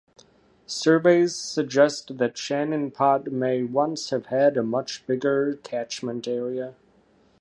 Surveys suggest that Shannon Pot may once have had a much bigger catchment area.